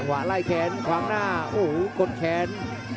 ไล่แขนขวางหน้าโอ้โหกดแขน